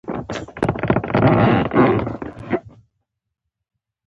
نو په دې ترتیب پانګوال د هر توکي په مقابل کې څلور افغانۍ ورکوي